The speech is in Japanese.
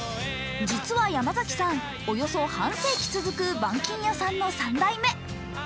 実は山崎さん、およそ半世紀続く板金屋さんの３代目。